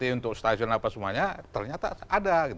mrt untuk stasiun apa semuanya ternyata ada gitu